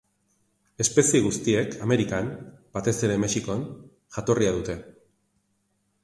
Espezie guztiek Amerikan, batez ere Mexikon, jatorria dute.